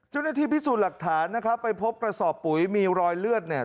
เจ้าหน้าที่พิสูจน์หลักฐานนะครับไปพบกระสอบปุ๋ยมีรอยเลือดเนี่ย